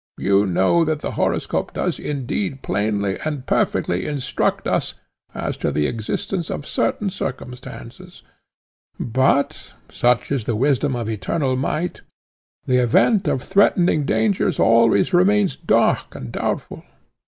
You know that the horoscope does indeed plainly and perfectly instruct us as to the existence of certain circumstances; but, such is the wisdom of Eternal Might, the event of threatening dangers always remains dark and doubtful.